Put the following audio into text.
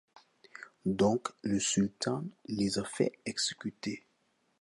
Donc le sultan les a fait exécuter.